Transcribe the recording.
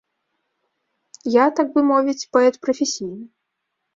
Я, так бы мовіць, паэт прафесійны.